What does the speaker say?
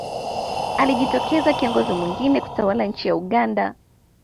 alijitokeza kiongozi mwingine kutawala nchi ya uganda